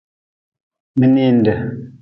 Mininde.